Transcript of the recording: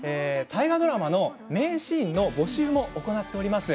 大河ドラマの名シーンの募集も行っております。